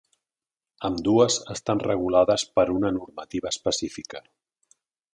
Ambdues estan regulades per una normativa específica.